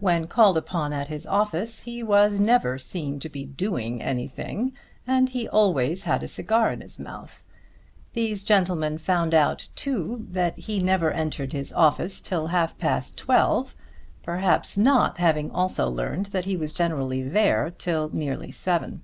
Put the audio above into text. When called upon at his office he was never seen to be doing anything, and he always had a cigar in his mouth. These gentlemen found out too that he never entered his office till half past twelve, perhaps not having also learned that he was generally there till nearly seven.